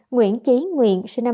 nguyễn nhân nguyễn sinh năm hai nghìn